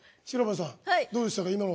白間さん、どうでしたか？